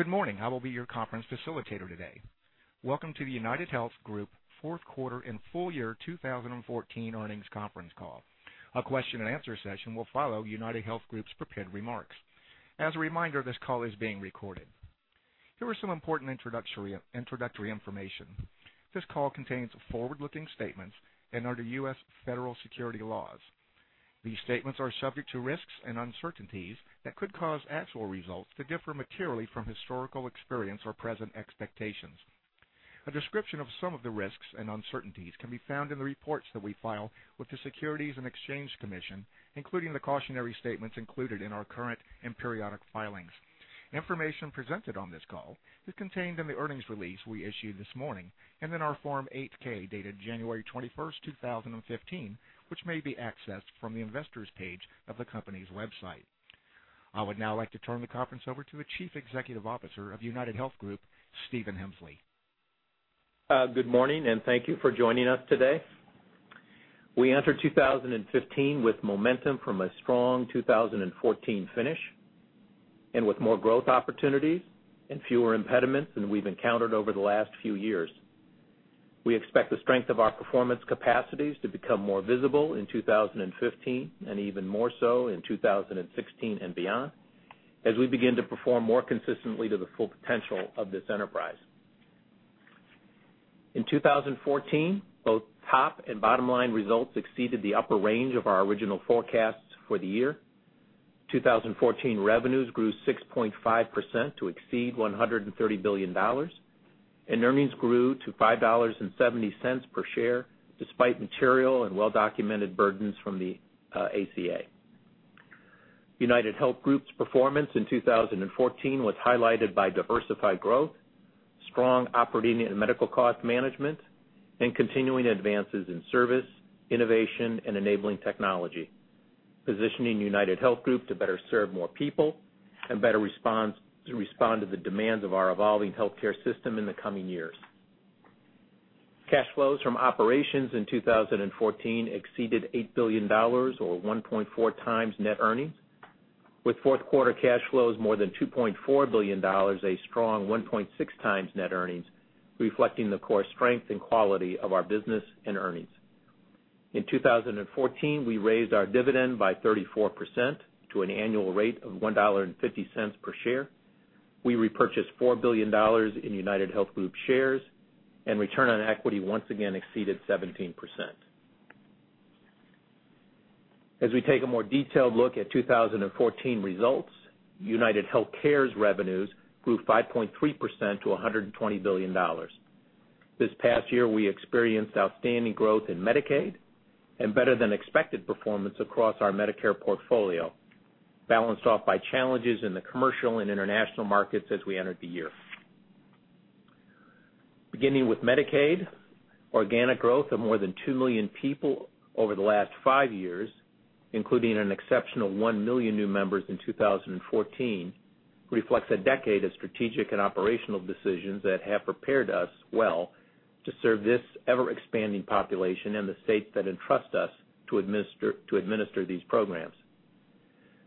Good morning. I will be your conference facilitator today. Welcome to the UnitedHealth Group fourth quarter and full year 2014 earnings conference call. A question-and-answer session will follow UnitedHealth Group's prepared remarks. As a reminder, this call is being recorded. Here are some important introductory information. This call contains forward-looking statements and are under U.S. federal security laws. These statements are subject to risks and uncertainties that could cause actual results to differ materially from historical experience or present expectations. A description of some of the risks and uncertainties can be found in the reports that we file with the Securities and Exchange Commission, including the cautionary statements included in our current and periodic filings. Information presented on this call is contained in the earnings release we issued this morning and in our Form 8-K, dated January 21st, 2015, which may be accessed from the investors page of the company's website. I would now like to turn the conference over to the Chief Executive Officer of UnitedHealth Group, Stephen Hemsley. Good morning. Thank you for joining us today. We enter 2015 with momentum from a strong 2014 finish and with more growth opportunities and fewer impediments than we've encountered over the last few years. We expect the strength of our performance capacities to become more visible in 2015 and even more so in 2016 and beyond, as we begin to perform more consistently to the full potential of this enterprise. In 2014, both top and bottom line results exceeded the upper range of our original forecasts for the year. 2014 revenues grew 6.5% to exceed $130 billion, and earnings grew to $5.70 per share, despite material and well-documented burdens from the ACA. UnitedHealth Group's performance in 2014 was highlighted by diversified growth, strong operating and medical cost management, and continuing advances in service, innovation, and enabling technology, positioning UnitedHealth Group to better serve more people and better respond to the demands of our evolving healthcare system in the coming years. Cash flows from operations in 2014 exceeded $8 billion or 1.4 times net earnings, with fourth quarter cash flows more than $2.4 billion, a strong 1.6 times net earnings reflecting the core strength and quality of our business and earnings. In 2014, we raised our dividend by 34% to an annual rate of $1.50 per share. We repurchased $4 billion in UnitedHealth Group shares, and return on equity once again exceeded 17%. As we take a more detailed look at 2014 results, UnitedHealthcare's revenues grew 5.3% to $120 billion. This past year, we experienced outstanding growth in Medicaid and better-than-expected performance across our Medicare portfolio, balanced off by challenges in the commercial and international markets as we entered the year. Beginning with Medicaid, organic growth of more than 2 million people over the last five years, including an exceptional 1 million new members in 2014, reflects a decade of strategic and operational decisions that have prepared us well to serve this ever-expanding population in the states that entrust us to administer these programs.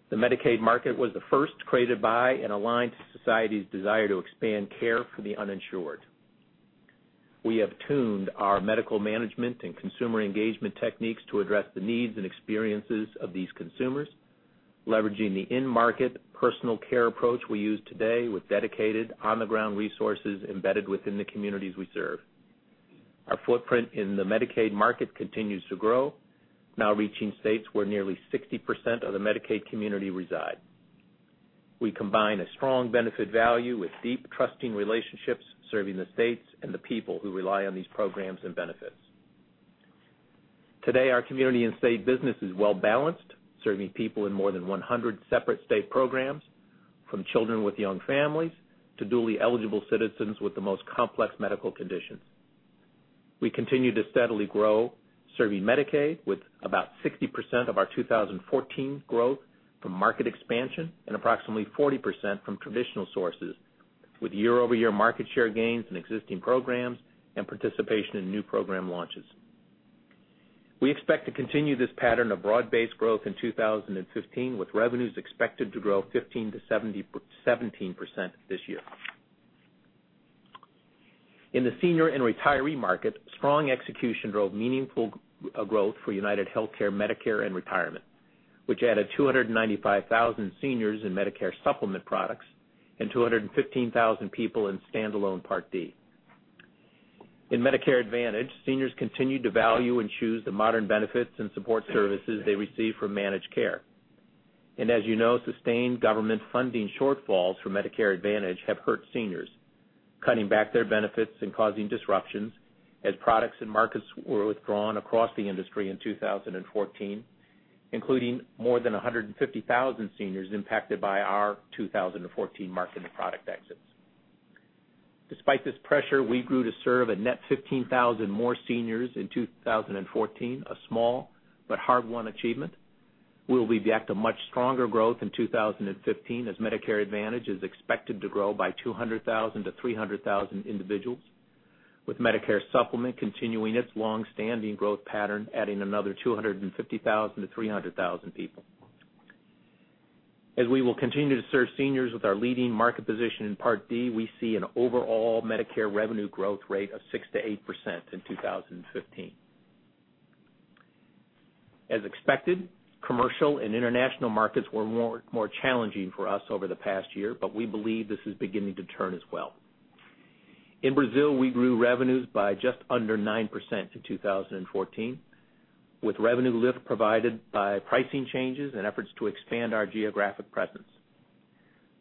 The Medicaid market was the first created by and aligned to society's desire to expand care for the uninsured. We have tuned our medical management and consumer engagement techniques to address the needs and experiences of these consumers, leveraging the in-market personal care approach we use today with dedicated on-the-ground resources embedded within the communities we serve. Our footprint in the Medicaid market continues to grow, now reaching states where nearly 60% of the Medicaid community reside. We combine a strong benefit value with deep trusting relationships serving the states and the people who rely on these programs and benefits. Today, our community and state business is well-balanced, serving people in more than 100 separate state programs, from children with young families to dually eligible citizens with the most complex medical conditions. We continue to steadily grow, serving Medicaid with about 60% of our 2014 growth from market expansion and approximately 40% from traditional sources, with year-over-year market share gains in existing programs and participation in new program launches. We expect to continue this pattern of broad-based growth in 2015, with revenues expected to grow 15%-17% this year. In the senior and retiree market, strong execution drove meaningful growth for UnitedHealthcare Medicare and Retirement, which added 295,000 seniors in Medicare Supplement products and 215,000 people in standalone Part D. In Medicare Advantage, seniors continued to value and choose the modern benefits and support services they receive from managed care. As you know, sustained government funding shortfalls for Medicare Advantage have hurt seniors, cutting back their benefits and causing disruptions as products and markets were withdrawn across the industry in 2014, including more than 150,000 seniors impacted by our 2014 market and product exits. Despite this pressure, we grew to serve a net 15,000 more seniors in 2014, a small but hard-won achievement. We will be back to much stronger growth in 2015 as Medicare Advantage is expected to grow by 200,000-300,000 individuals. With Medicare Supplement continuing its longstanding growth pattern, adding another 250,000-300,000 people. We will continue to serve seniors with our leading market position in Part D, we see an overall Medicare revenue growth rate of 6%-8% in 2015. Expected, commercial and international markets were more challenging for us over the past year, but we believe this is beginning to turn as well. In Brazil, we grew revenues by just under 9% in 2014, with revenue lift provided by pricing changes and efforts to expand our geographic presence.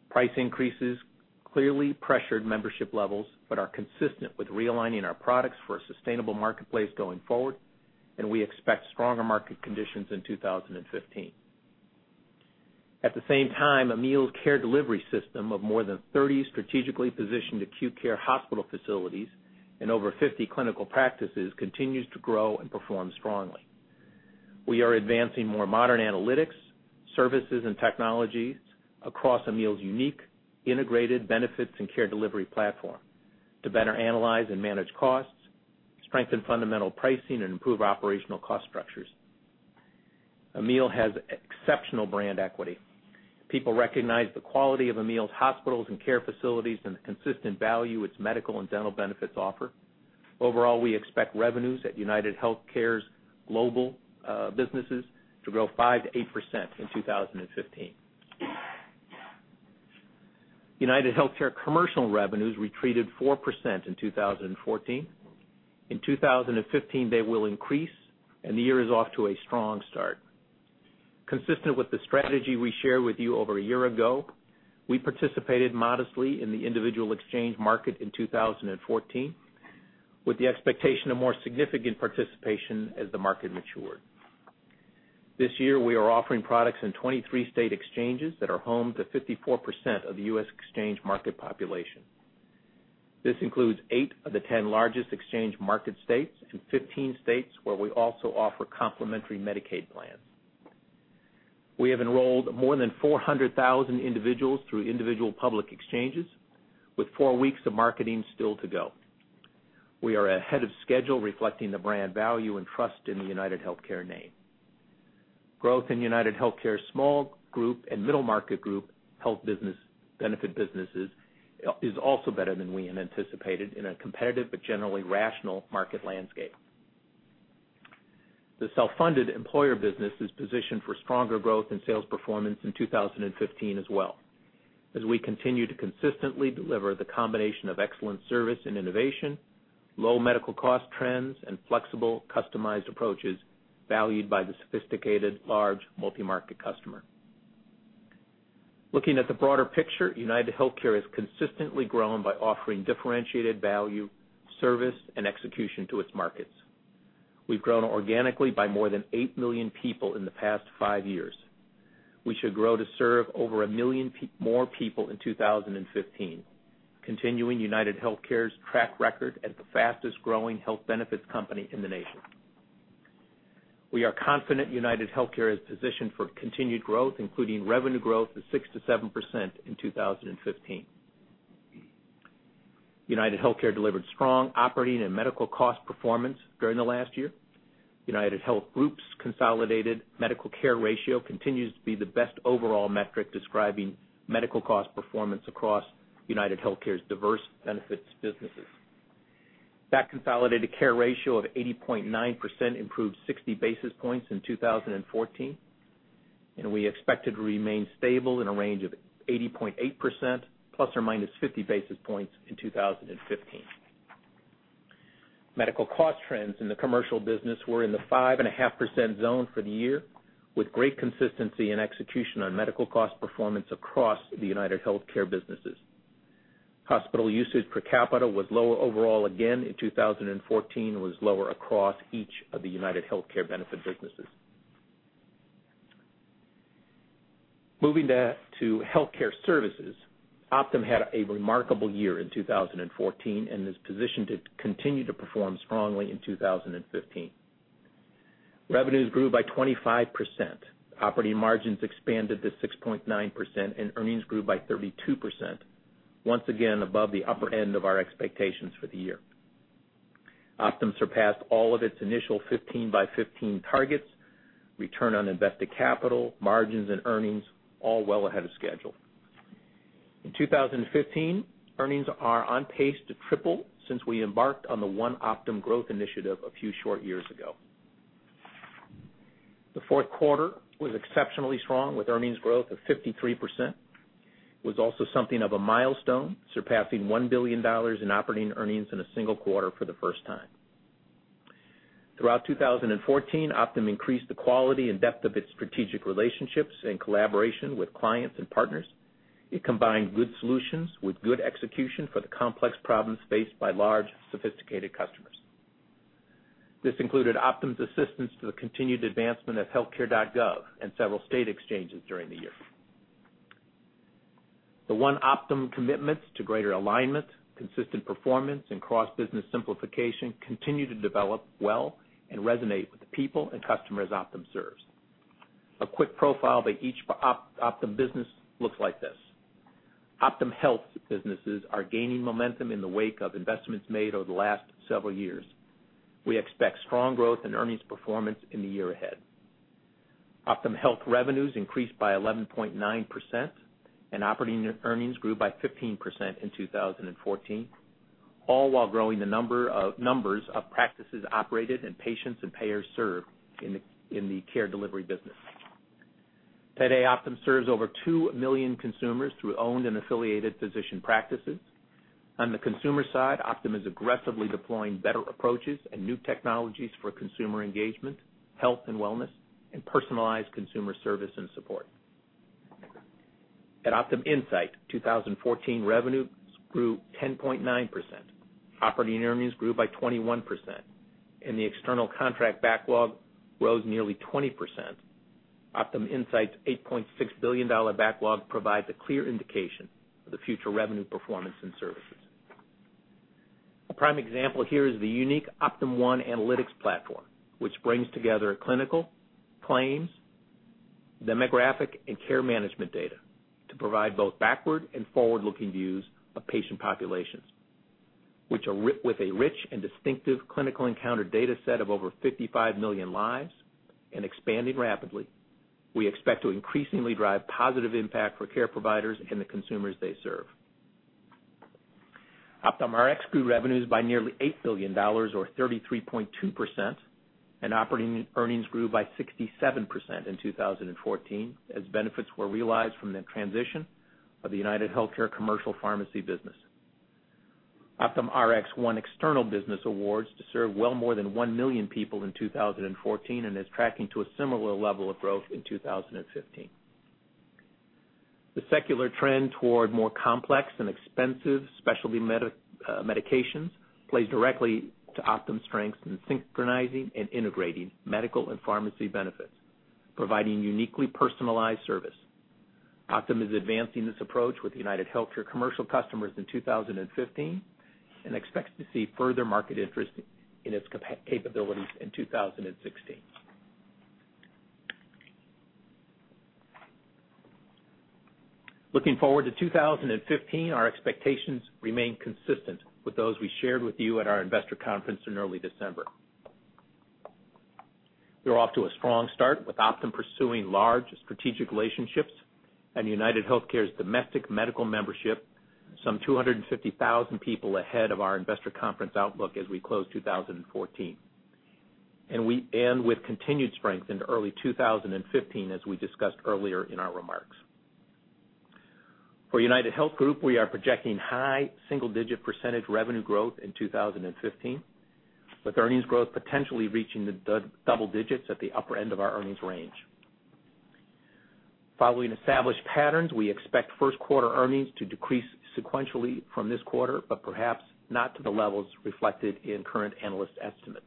Price increases clearly pressured membership levels but are consistent with realigning our products for a sustainable marketplace going forward, and we expect stronger market conditions in 2015. At the same time, Amil's care delivery system of more than 30 strategically positioned acute care hospital facilities and over 50 clinical practices continues to grow and perform strongly. We are advancing more modern analytics, services, and technologies across Amil's unique integrated benefits and care delivery platform to better analyze and manage costs, strengthen fundamental pricing, and improve operational cost structures. Amil has exceptional brand equity. People recognize the quality of Amil's hospitals and care facilities and the consistent value its medical and dental benefits offer. Overall, we expect revenues at UnitedHealthcare's global businesses to grow 5%-8% in 2015. UnitedHealthcare commercial revenues retreated 4% in 2014. In 2015, they will increase, and the year is off to a strong start. Consistent with the strategy we shared with you over a year ago, we participated modestly in the individual exchange market in 2014, with the expectation of more significant participation as the market matured. This year, we are offering products in 23 state exchanges that are home to 54% of the U.S. exchange market population. This includes eight of the 10 largest exchange market states and 15 states where we also offer complementary Medicaid plans. We have enrolled more than 400,000 individuals through individual public exchanges with four weeks of marketing still to go. We are ahead of schedule, reflecting the brand value and trust in the UnitedHealthcare name. Growth in UnitedHealthcare's small group and middle market group health benefit businesses is also better than we had anticipated in a competitive but generally rational market landscape. The self-funded employer business is positioned for stronger growth and sales performance in 2015 as well, as we continue to consistently deliver the combination of excellent service and innovation, low medical cost trends, and flexible, customized approaches valued by the sophisticated large multi-market customer. Looking at the broader picture, UnitedHealthcare has consistently grown by offering differentiated value, service, and execution to its markets. We've grown organically by more than eight million people in the past five years. We should grow to serve over a million more people in 2015, continuing UnitedHealthcare's track record as the fastest-growing health benefits company in the nation. We are confident UnitedHealthcare is positioned for continued growth, including revenue growth of 6%-7% in 2015. UnitedHealthcare delivered strong operating and medical cost performance during the last year. UnitedHealth Group's consolidated medical care ratio continues to be the best overall metric describing medical cost performance across UnitedHealthcare's diverse benefits businesses. That consolidated care ratio of 80.9% improved 60 basis points in 2014, and we expect it to remain stable in a range of 80.8% ±50 basis points in 2015. Medical cost trends in the commercial business were in the 5.5% zone for the year, with great consistency and execution on medical cost performance across the UnitedHealthcare businesses. Hospital usage per capita was low overall again in 2014 and was lower across each of the UnitedHealthcare benefit businesses. Moving to healthcare services. Optum had a remarkable year in 2014 and is positioned to continue to perform strongly in 2015. Revenues grew by 25%, operating margins expanded to 6.9%, and earnings grew by 32%, once again above the upper end of our expectations for the year. Optum surpassed all of its initial 15 by '15 targets, return on invested capital, margins, and earnings all well ahead of schedule. In 2015, earnings are on pace to triple since we embarked on the One Optum growth initiative a few short years ago. The fourth quarter was exceptionally strong with earnings growth of 53%. It was also something of a milestone, surpassing $1 billion in operating earnings in a single quarter for the first time. Throughout 2014, Optum increased the quality and depth of its strategic relationships and collaboration with clients and partners. It combined good solutions with good execution for the complex problems faced by large, sophisticated customers. This included Optum's assistance to the continued advancement of healthcare.gov and several state exchanges during the year. The One Optum commitments to greater alignment, consistent performance, and cross-business simplification continue to develop well and resonate with the people and customers Optum serves. A quick profile by each Optum business looks like this. Optum Health businesses are gaining momentum in the wake of investments made over the last several years. We expect strong growth and earnings performance in the year ahead. Optum Health revenues increased by 11.9%, and operating earnings grew by 15% in 2014, all while growing the numbers of practices operated and patients and payers served in the care delivery business. Today, Optum serves over 2 million consumers through owned and affiliated physician practices. On the consumer side, Optum is aggressively deploying better approaches and new technologies for consumer engagement, health and wellness, and personalized consumer service and support. At Optum Insight, 2014 revenues grew 10.9%, operating earnings grew by 21%, and the external contract backlog rose nearly 20%. Optum Insight's $8.6 billion backlog provides a clear indication of the future revenue performance and services. A prime example here is the unique OptumOne analytics platform, which brings together clinical, claims, demographic, and care management data to provide both backward and forward-looking views of patient populations. With a rich and distinctive clinical encounter data set of over 55 million lives and expanding rapidly, we expect to increasingly drive positive impact for care providers and the consumers they serve. OptumRx grew revenues by nearly $8 billion, or 33.2%, and operating earnings grew by 67% in 2014 as benefits were realized from the transition of the UnitedHealthcare commercial pharmacy business. OptumRx won external business awards to serve well more than 1 million people in 2014 and is tracking to a similar level of growth in 2015. The secular trend toward more complex and expensive specialty medications plays directly to Optum's strengths in synchronizing and integrating medical and pharmacy benefits, providing uniquely personalized service. Optum is advancing this approach with UnitedHealthcare commercial customers in 2015 and expects to see further market interest in its capabilities in 2016. Looking forward to 2015, our expectations remain consistent with those we shared with you at our investor conference in early December. We are off to a strong start with Optum pursuing large strategic relationships and UnitedHealthcare's domestic medical membership, some 250,000 people ahead of our investor conference outlook as we close 2014. With continued strength into early 2015, as we discussed earlier in our remarks. For UnitedHealth Group, we are projecting high single-digit percentage revenue growth in 2015, with earnings growth potentially reaching the double digits at the upper end of our earnings range. Following established patterns, we expect first quarter earnings to decrease sequentially from this quarter, but perhaps not to the levels reflected in current analyst estimates.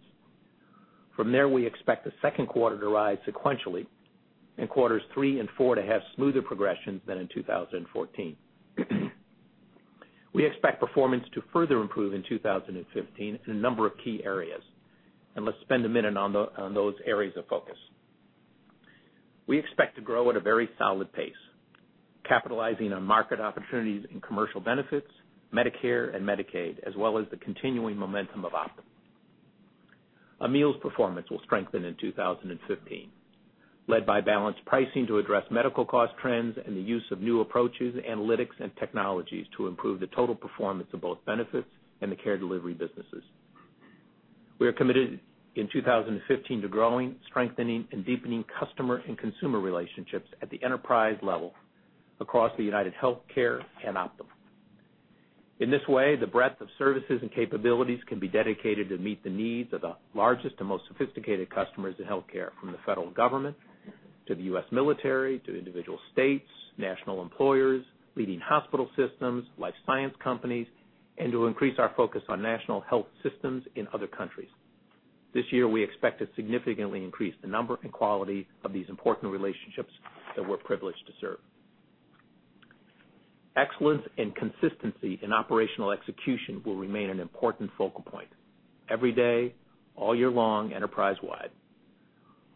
From there, we expect the second quarter to rise sequentially, and quarters three and four to have smoother progressions than in 2014. We expect performance to further improve in 2015 in a number of key areas. Let's spend a minute on those areas of focus. We expect to grow at a very solid pace, capitalizing on market opportunities in commercial benefits, Medicare and Medicaid, as well as the continuing momentum of Optum. Amil's performance will strengthen in 2015, led by balanced pricing to address medical cost trends and the use of new approaches, analytics, and technologies to improve the total performance of both benefits and the care delivery businesses. We are committed in 2015 to growing, strengthening, and deepening customer and consumer relationships at the enterprise level across the UnitedHealthcare and Optum. In this way, the breadth of services and capabilities can be dedicated to meet the needs of the largest and most sophisticated customers in healthcare, from the federal government to the U.S. military, to individual states, national employers, leading hospital systems, life science companies, and to increase our focus on national health systems in other countries. This year, we expect to significantly increase the number and quality of these important relationships that we're privileged to serve. Excellence and consistency in operational execution will remain an important focal point every day, all year long, enterprise-wide.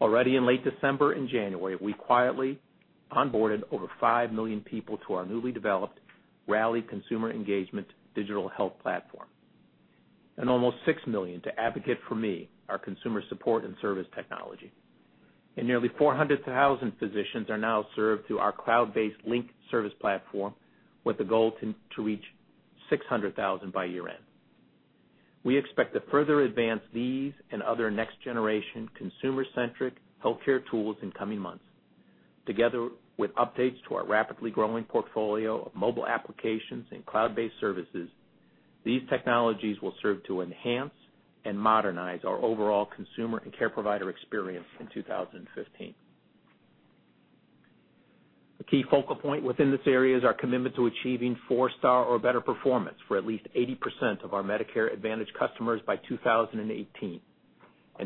Already in late December and January, we quietly onboarded over 5 million people to our newly developed Rally consumer engagement digital health platform and almost 6 million to Advocate4Me, our consumer support and service technology. Nearly 400,000 physicians are now served through our cloud-based Link service platform with the goal to reach 600,000 by year-end. We expect to further advance these and other next-generation consumer-centric healthcare tools in coming months. Together with updates to our rapidly growing portfolio of mobile applications and cloud-based services, these technologies will serve to enhance and modernize our overall consumer and care provider experience in 2015. A key focal point within this area is our commitment to achieving 4-Star or better performance for at least 80% of our Medicare Advantage customers by 2018.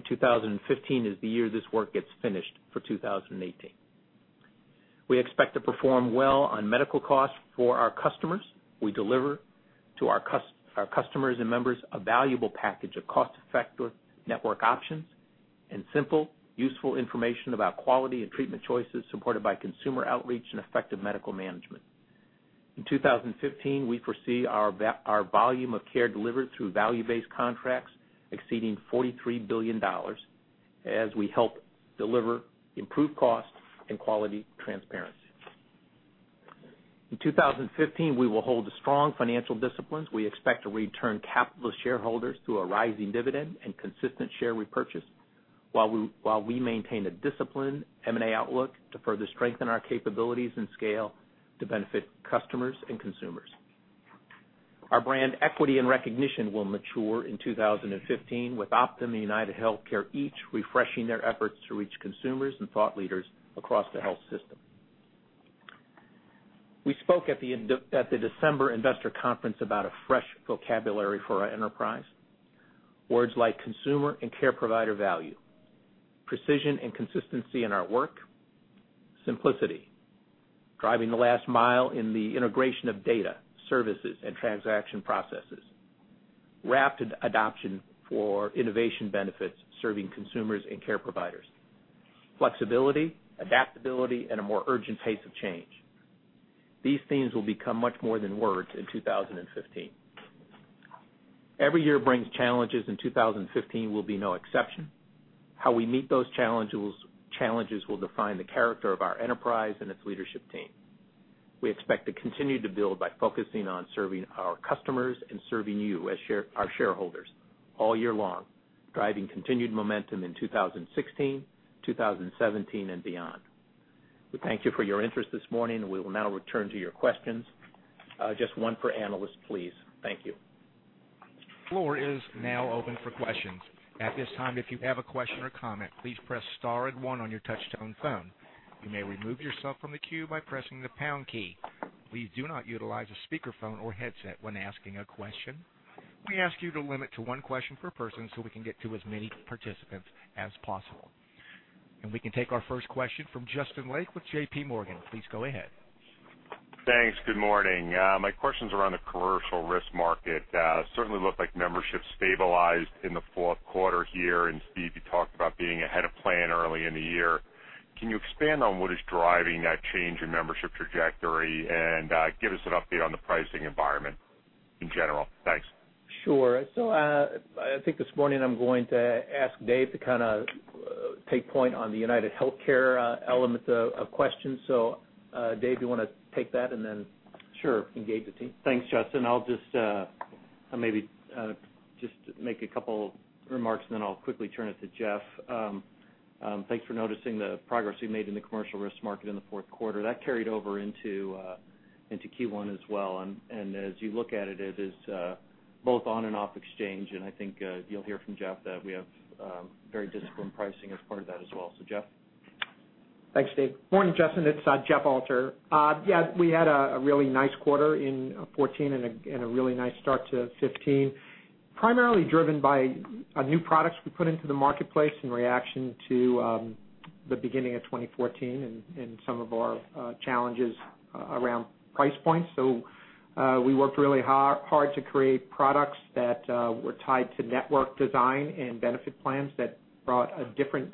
2015 is the year this work gets finished for 2018. We expect to perform well on medical costs for our customers. We deliver to our customers and members a valuable package of cost-effective network options and simple, useful information about quality and treatment choices supported by consumer outreach and effective medical management. In 2015, we foresee our volume of care delivered through value-based contracts exceeding $43 billion as we help deliver improved costs and quality transparency. In 2015, we will hold strong financial disciplines. We expect to return capital to shareholders through a rising dividend and consistent share repurchase while we maintain a disciplined M&A outlook to further strengthen our capabilities and scale to benefit customers and consumers. Our brand equity and recognition will mature in 2015 with Optum and UnitedHealthcare each refreshing their efforts to reach consumers and thought leaders across the health system. We spoke at the December investor conference about a fresh vocabulary for our enterprise. Words like consumer and care provider value, precision and consistency in our work, simplicity, driving the last mile in the integration of data, services, and transaction processes, rapid adoption for innovation benefits serving consumers and care providers, flexibility, adaptability, and a more urgent pace of change. These themes will become much more than words in 2015. Every year brings challenges, and 2015 will be no exception. How we meet those challenges will define the character of our enterprise and its leadership team. We expect to continue to build by focusing on serving our customers and serving you as our shareholders all year long, driving continued momentum in 2016, 2017, and beyond. We thank you for your interest this morning, and we will now return to your questions. Just one per analyst, please. Thank you. Floor is now open for questions. At this time, if you have a question or comment, please press star and one on your touch-tone phone. You may remove yourself from the queue by pressing the pound key. Please do not utilize a speakerphone or headset when asking a question. We ask you to limit to one question per person so we can get to as many participants as possible. We can take our first question from Justin Lake with J.P. Morgan. Please go ahead. Thanks. Good morning. My questions around the commercial risk market. Certainly looked like membership stabilized in the fourth quarter here. Steve, you talked about being ahead of plan early in the year. Can you expand on what is driving that change in membership trajectory and give us an update on the pricing environment in general? Thanks. Sure. I think this morning I'm going to ask Dave to take point on the UnitedHealthcare element of questions. Dave, you want to take that? Sure engage the team? Thanks, Justin. I'll just maybe just make a couple remarks and then I'll quickly turn it to Jeff. Thanks for noticing the progress we made in the commercial risk market in the fourth quarter. That carried over into Q1 as well, and as you look at it is both on and off exchange, and I think you'll hear from Jeff that we have very disciplined pricing as part of that as well. Jeff? Thanks, Dave. Morning, Justin. It's Jeff Alter. Yeah, we had a really nice quarter in 2014 and a really nice start to 2015, primarily driven by new products we put into the marketplace in reaction to the beginning of 2014 and some of our challenges around price points. We worked really hard to create products that were tied to network design and benefit plans that brought a different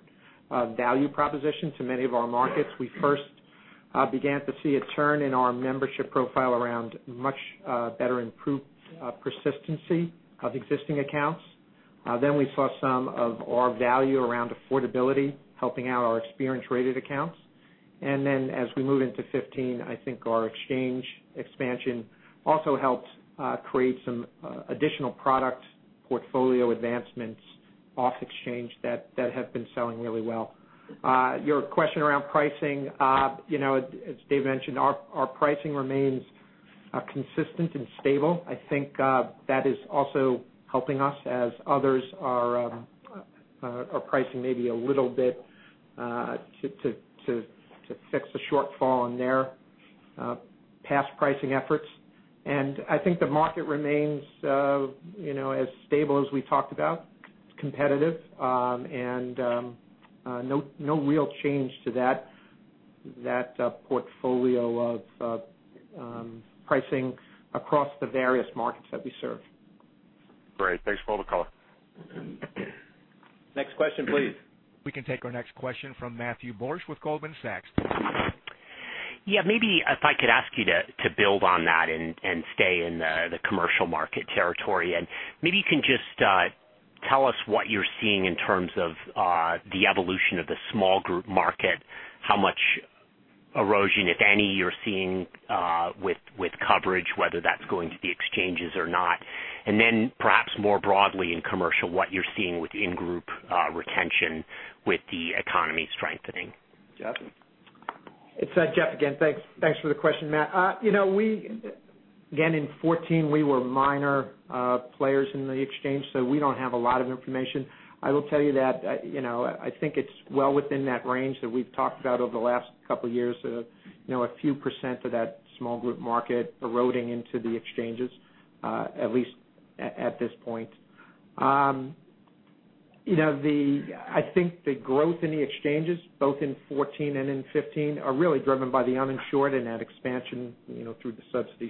value proposition to many of our markets. We first began to see a turn in our membership profile around much better improved persistency of existing accounts. We saw some of our value around affordability helping out our experience-rated accounts. As we move into 2015, I think our exchange expansion also helped create some additional product portfolio advancements off exchange that have been selling really well. Your question around pricing, as Dave mentioned, our pricing remains consistent and stable. I think that is also helping us as others are pricing maybe a little bit to fix the shortfall in their past pricing efforts. I think the market remains as stable as we talked about, competitive, and no real change to that portfolio of pricing across the various markets that we serve. Great. Thanks for all the color. Next question, please. We can take our next question from Matthew Borsch with Goldman Sachs. Yeah, maybe if I could ask you to build on that and stay in the commercial market territory. Maybe you can just tell us what you're seeing in terms of the evolution of the small group market, how much erosion, if any, you're seeing with coverage, whether that's going to the exchanges or not. Then perhaps more broadly in commercial, what you're seeing with in-group retention with the economy strengthening. Jeff? Jeff again. Thanks for the question, Matt. In 2014, we were minor players in the Exchange, we don't have a lot of information. I will tell you that I think it's well within that range that we've talked about over the last couple of years, a few % of that small group market eroding into the Exchanges, at least at this point. I think the growth in the Exchanges, both in 2014 and in 2015, are really driven by the uninsured and that expansion through the subsidy.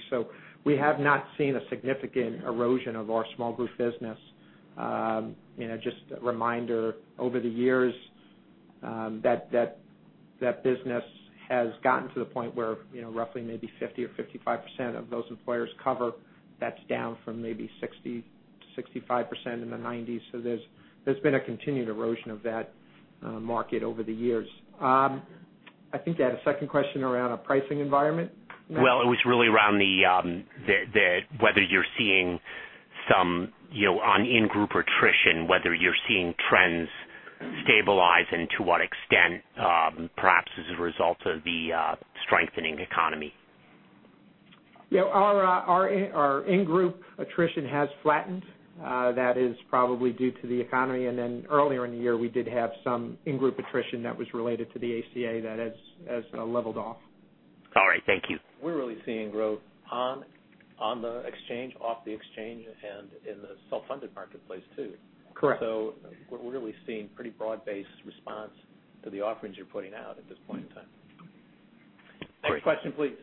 We have not seen a significant erosion of our small group business. Just a reminder, over the years, that business has gotten to the point where roughly maybe 50% or 55% of those employers cover. That's down from maybe 60% to 65% in the 1990s. There's been a continued erosion of that market over the years. I think I had a second question around our pricing environment? Well, it was really around whether you're seeing some on in-group attrition, whether you're seeing trends stabilize, and to what extent, perhaps as a result of the strengthening economy. Yeah. Our in-group attrition has flattened. That is probably due to the economy. Earlier in the year, we did have some in-group attrition that was related to the ACA that has leveled off. All right. Thank you. We're really seeing growth on the exchange, off the exchange, and in the self-funded marketplace too. Correct. We're really seeing pretty broad-based response to the offerings you're putting out at this point in time. Great. Next question, please.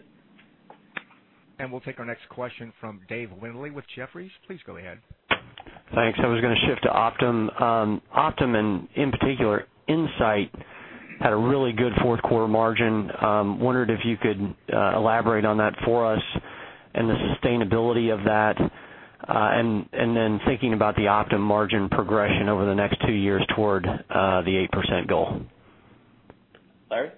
We'll take our next question from David Windley with Jefferies. Please go ahead. Thanks. I was going to shift to Optum. Optum, and in particular, Insight had a really good fourth quarter margin. Wondered if you could elaborate on that for us and the sustainability of that. Thinking about the Optum margin progression over the next two years toward the 8% goal. Larry?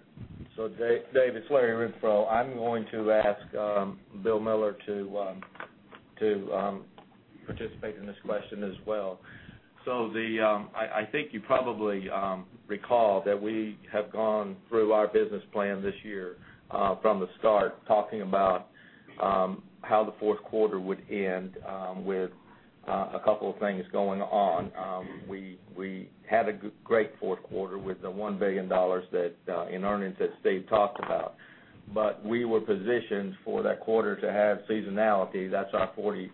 Dave, it's Larry Renfro. I'm going to ask Bill Miller to participate in this question as well. I think you probably recall that we have gone through our business plan this year from the start talking about how the fourth quarter would end with a couple of things going on. We had a great fourth quarter with the $1 billion in earnings that Dave talked about. We were positioned for that quarter to have seasonality. That's our 40-60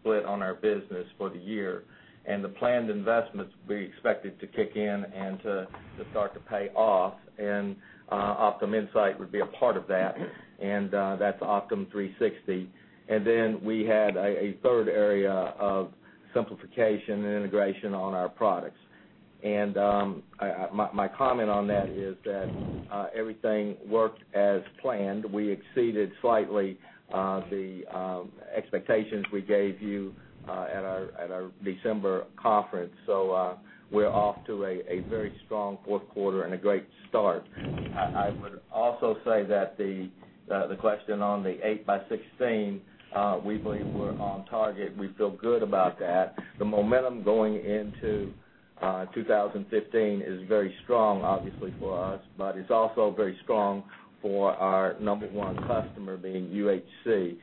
split on our business for the year. The planned investments we expected to kick in and to start to pay off, and Optum Insight would be a part of that. That's Optum360. Then we had a third area of simplification and integration on our products. My comment on that is that everything worked as planned. We exceeded slightly the expectations we gave you at our December conference. We're off to a very strong fourth quarter and a great start. I would also say that the question on the 8 by '16, we believe we're on target, and we feel good about that. The momentum going into 2015 is very strong, obviously, for us, but it's also very strong for our number one customer being UHC.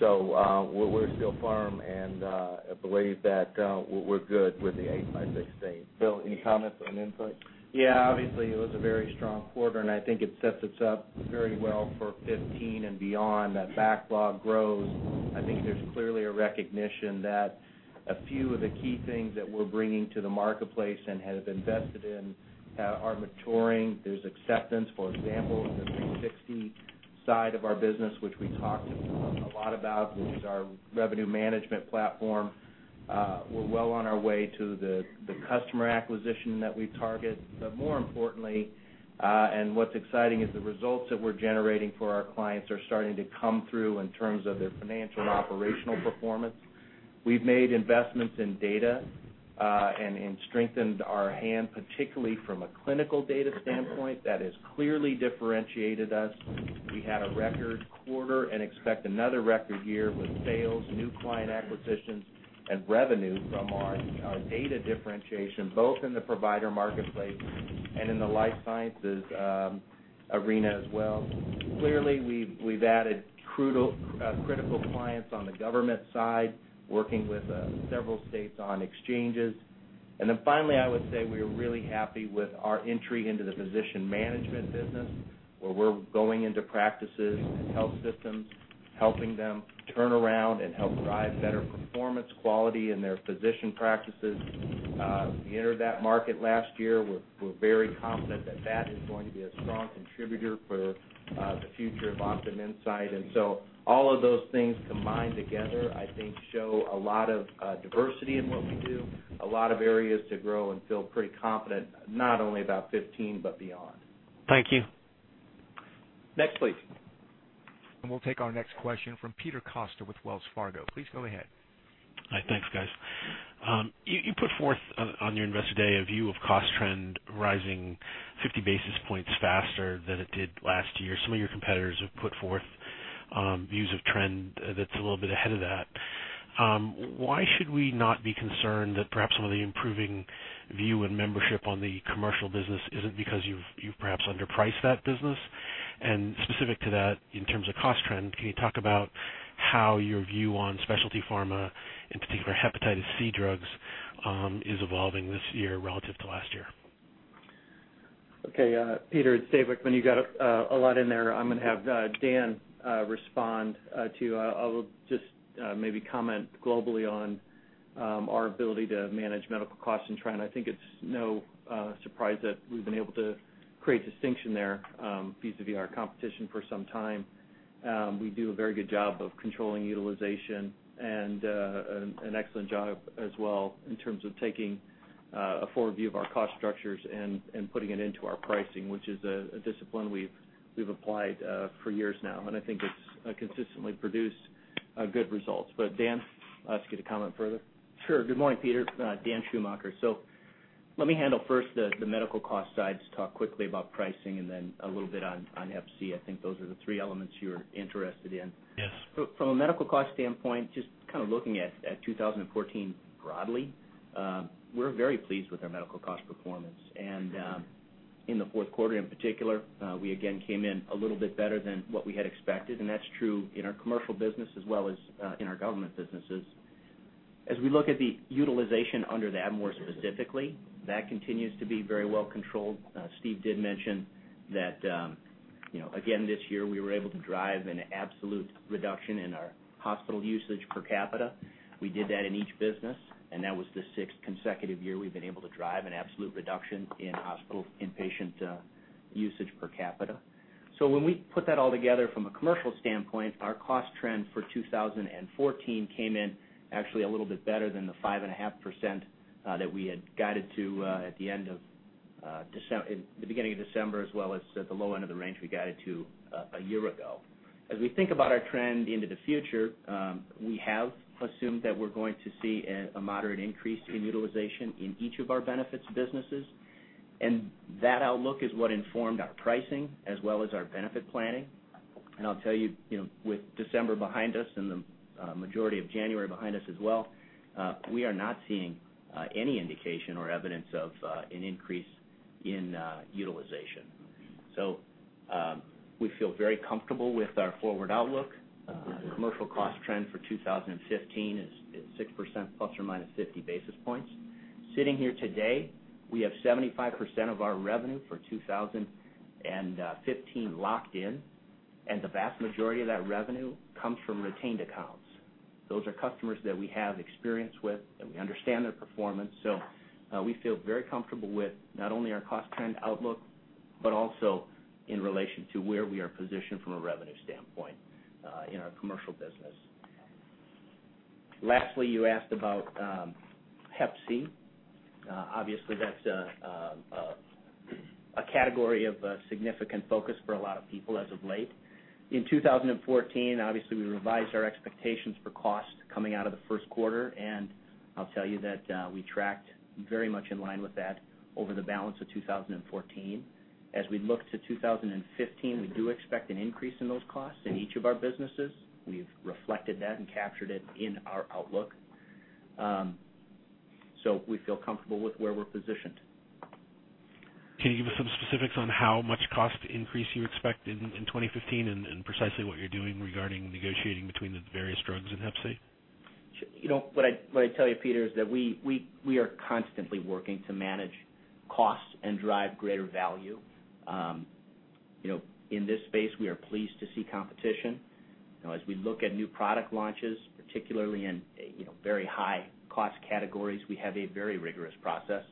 We're still firm, and I believe that we're good with the 8 by '16. Bill, any comments on Insight? Obviously, it was a very strong quarter, and I think it sets us up very well for 2015 and beyond. That backlog grows. I think there's clearly a recognition that a few of the key things that we're bringing to the marketplace and have invested in are maturing. There's acceptance, for example, of the Optum360 side of our business, which we talked a lot about, which is our revenue management platform. We're well on our way to the customer acquisition that we target. More importantly, what's exciting is the results that we're generating for our clients are starting to come through in terms of their financial and operational performance. We've made investments in data, and strengthened our hand, particularly from a clinical data standpoint that has clearly differentiated us. We had a record quarter and expect another record year with sales, new client acquisitions, and revenue from our data differentiation, both in the provider marketplace and in the life sciences arena as well. Clearly, we've added critical clients on the government side, working with several states on exchanges. Finally, I would say we're really happy with our entry into the physician management business, where we're going into practices and health systems, helping them turn around and help drive better performance quality in their physician practices. We entered that market last year. We're very confident that that is going to be a strong contributor for the future of Optum Insight. All of those things combined together, I think, show a lot of diversity in what we do, a lot of areas to grow and feel pretty confident, not only about 2015, but beyond. Thank you. Next, please. We'll take our next question from Peter Costa with Wells Fargo. Please go ahead. Hi. Thanks, guys. You put forth on your Investor Day a view of cost trend rising 50 basis points faster than it did last year. Some of your competitors have put forth views of trend that's a little bit ahead of that. Why should we not be concerned that perhaps some of the improving view and membership on the commercial business isn't because you've perhaps underpriced that business? Specific to that, in terms of cost trend, can you talk about how your view on specialty pharma, in particular hepatitis C drugs, is evolving this year relative Okay, Peter, it's Dave Wichmann. You got a lot in there. I'm going to have Dan respond to. I will just maybe comment globally on our ability to manage medical costs and trend. I think it's no surprise that we've been able to create distinction there vis-a-vis our competition for some time. We do a very good job of controlling utilization and an excellent job as well in terms of taking a forward view of our cost structures and putting it into our pricing, which is a discipline we've applied for years now, and I think it's consistently produced good results. Dan, I'll ask you to comment further. Sure. Good morning, Peter. Dan Schumacher. Let me handle first the medical cost side, just talk quickly about pricing and then a little bit on Hep C. I think those are the three elements you're interested in. Yes. From a medical cost standpoint, just looking at 2014 broadly, we're very pleased with our medical cost performance. In the fourth quarter in particular, we again came in a little bit better than what we had expected, and that's true in our commercial business as well as in our government businesses. We look at the utilization under that more specifically, that continues to be very well controlled. Steve did mention that again this year, we were able to drive an absolute reduction in our hospital usage per capita. We did that in each business, and that was the sixth consecutive year we've been able to drive an absolute reduction in hospital inpatient usage per capita. When we put that all together from a commercial standpoint, our cost trend for 2014 came in actually a little bit better than the 5.5% that we had guided to at the beginning of December, as well as at the low end of the range we guided to a year ago. We think about our trend into the future, we have assumed that we're going to see a moderate increase in utilization in each of our benefits businesses. That outlook is what informed our pricing as well as our benefit planning. I'll tell you, with December behind us and the majority of January behind us as well, we are not seeing any indication or evidence of an increase in utilization. We feel very comfortable with our forward outlook. The commercial cost trend for 2015 is 6% plus or minus 50 basis points. Sitting here today, we have 75% of our revenue for 2015 locked in, and the vast majority of that revenue comes from retained accounts. Those are customers that we have experience with, that we understand their performance. We feel very comfortable with not only our cost trend outlook, but also in relation to where we are positioned from a revenue standpoint in our commercial business. Lastly, you asked about Hep C. Obviously, that's a category of significant focus for a lot of people as of late. In 2014, obviously, we revised our expectations for cost coming out of the first quarter, and I'll tell you that we tracked very much in line with that over the balance of 2014. We look to 2015, we do expect an increase in those costs in each of our businesses. We've reflected that and captured it in our outlook. We feel comfortable with where we're positioned. Can you give us some specifics on how much cost increase you expect in 2015 and precisely what you're doing regarding negotiating between the various drugs in Hep C? What I'd tell you, Peter, is that we are constantly working to manage costs and drive greater value. In this space, we are pleased to see competition. As we look at new product launches, particularly in very high cost categories, we have a very rigorous process.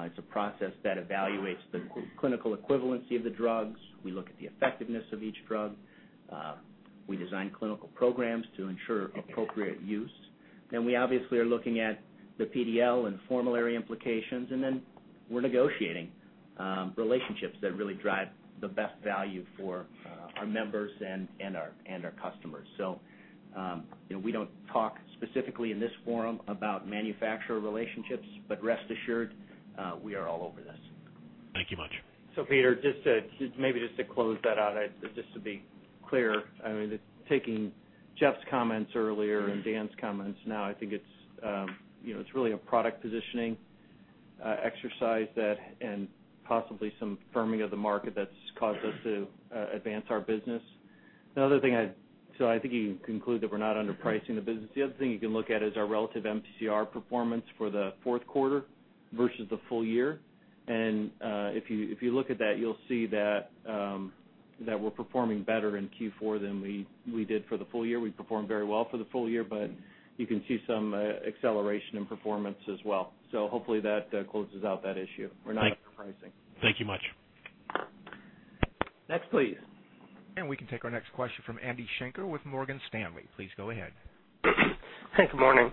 It's a process that evaluates the clinical equivalency of the drugs. We look at the effectiveness of each drug. We design clinical programs to ensure appropriate use. Then we obviously are looking at the PDL and formulary implications, and then we're negotiating relationships that really drive the best value for our members and our customers. We don't talk specifically in this forum about manufacturer relationships, but rest assured, we are all over this. Thank you much. Peter, maybe just to close that out, just to be clear, taking Jeff's comments earlier and Dan's comments now, I think it's really a product positioning exercise and possibly some firming of the market that's caused us to advance our business. I think you can conclude that we're not underpricing the business. The other thing you can look at is our relative MCR performance for the fourth quarter versus the full year. If you look at that, you'll see that we're performing better in Q4 than we did for the full year. We performed very well for the full year, but you can see some acceleration in performance as well. Hopefully that closes out that issue. We're not underpricing. Thank you much. Next, please. We can take our next question from Andrew Schenker with Morgan Stanley. Please go ahead. Hey, good morning.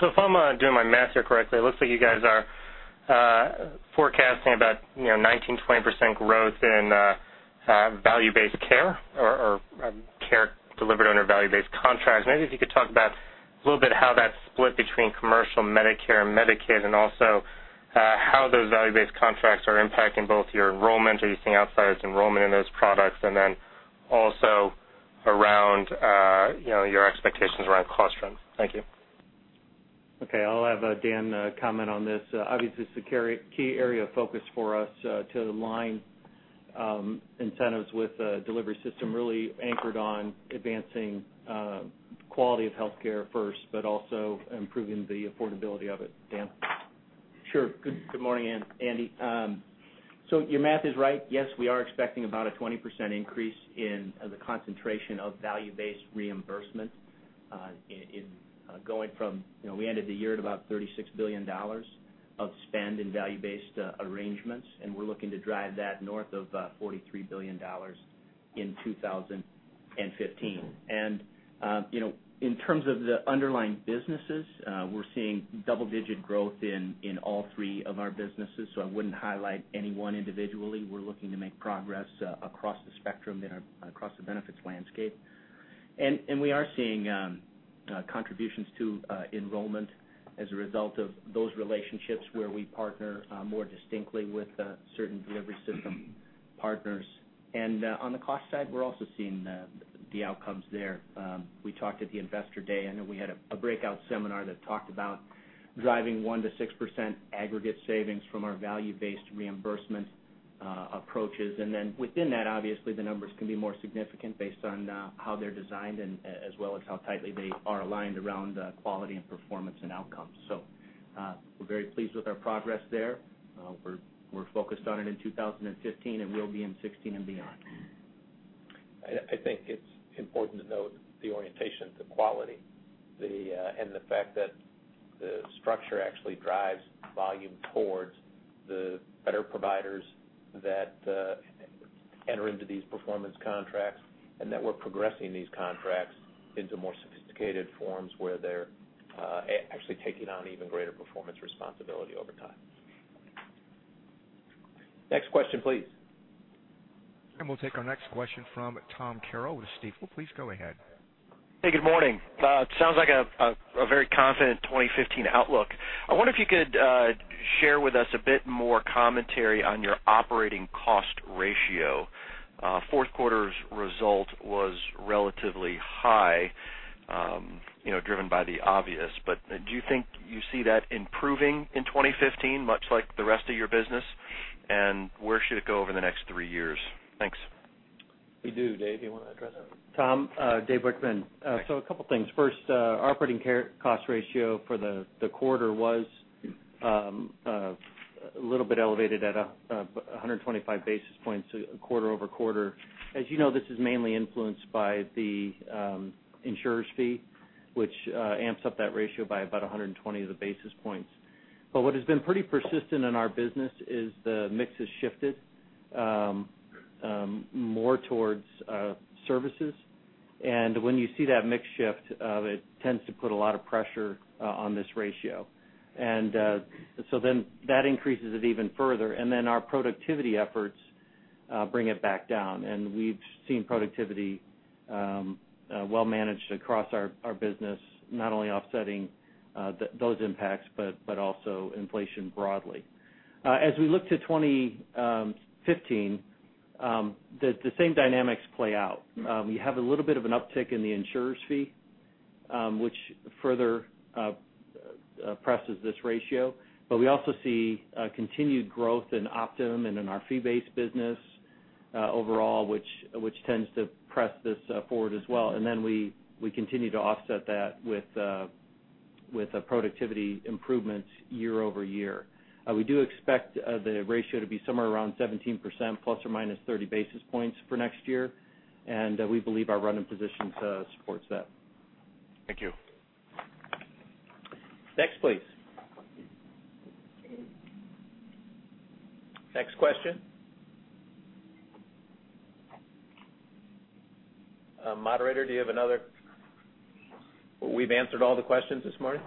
If I'm doing my math here correctly, it looks like you guys are forecasting about 19%-20% growth in value-based care or care delivered under value-based contracts. Maybe if you could talk about a little bit how that's split between commercial Medicare and Medicaid, also how those value-based contracts are impacting both your enrollment. Are you seeing outsized enrollment in those products? Also around your expectations around cost trends. Thank you. Okay, I'll have Dan comment on this. Obviously, it's a key area of focus for us to align incentives with a delivery system really anchored on advancing quality of healthcare first, but also improving the affordability of it. Dan? Sure. Good morning, Andy. Your math is right. Yes, we are expecting about a 20% increase in the concentration of value-based reimbursement. We ended the year at about $36 billion of spend in value-based arrangements, and we're looking to drive that north of $43 billion in 2015. In terms of the underlying businesses, we're seeing double-digit growth in all three of our businesses. I wouldn't highlight any one individually. We're looking to make progress across the spectrum and across the benefits landscape. We are seeing contributions to enrollment as a result of those relationships where we partner more distinctly with certain delivery system partners. On the cost side, we're also seeing the outcomes there. We talked at the Investor Day, I know we had a breakout seminar that talked about driving 1%-6% aggregate savings from our value-based reimbursement approaches. Within that, obviously, the numbers can be more significant based on how they're designed and as well as how tightly they are aligned around quality and performance and outcomes. We're very pleased with our progress there. We're focused on it in 2015, and we'll be in 2016 and beyond. I think it's important to note the orientation to quality, and the fact that the structure actually drives volume towards the better providers that enter into these performance contracts, and that we're progressing these contracts into more sophisticated forms where they're actually taking on even greater performance responsibility over time. Next question, please. We'll take our next question from Tom Carroll with Stifel. Please go ahead. Hey, good morning. It sounds like a very confident 2015 outlook. I wonder if you could share with us a bit more commentary on your operating cost ratio. Fourth quarter's result was relatively high, driven by the obvious, but do you think you see that improving in 2015, much like the rest of your business? Where should it go over the next three years? Thanks. We do. Dave, do you want to address that? Tom, Dave Wichmann. Hi. A couple things. First, our operating cost ratio for the quarter was a little bit elevated at 125 basis points quarter-over-quarter. As you know, this is mainly influenced by the insurers fee, which amps up that ratio by about 120 of the basis points. What has been pretty persistent in our business is the mix has shifted more towards services. When you see that mix shift, it tends to put a lot of pressure on this ratio. That increases it even further, our productivity efforts bring it back down. We've seen productivity well managed across our business, not only offsetting those impacts, but also inflation broadly. As we look to 2015, the same dynamics play out. We have a little bit of an uptick in the insurers fee, which further presses this ratio. We also see continued growth in Optum and in our fee-based business overall, which tends to press this forward as well. We continue to offset that with productivity improvements year-over-year. We do expect the ratio to be somewhere around 17% ±30 basis points for next year. We believe our run and position supports that. Thank you. Next, please. Next question. Moderator, do you have another? We've answered all the questions this morning?